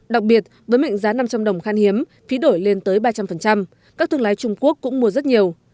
đặc biệt với mệnh giá năm trăm linh đồng khan hiếm phí đổi lên tới ba trăm linh các thương lái trung quốc cũng mua rất nhiều